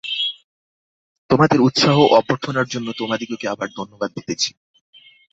তোমাদের উৎসাহ ও অভ্যর্থনার জন্য তোমাদিগকে আবার ধন্যবাদ দিতেছি।